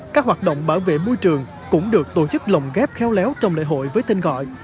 các hoạt động bảo vệ môi trường cũng được tổ chức lồng ghép khéo léo trong lễ hội với tên gọi